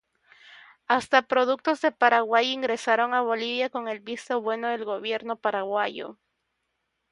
Hasta productos de Paraguay ingresaron a Bolivia con el visto bueno del Gobierno paraguayo.